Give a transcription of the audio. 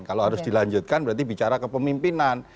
kalau harus dilanjutkan berarti bicara ke pemimpinan